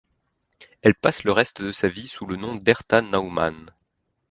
Elle passe le reste de sa vie sous le nom d'Herta Naumann.